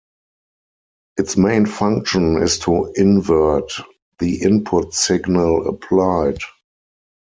Its main function is to invert the input signal applied.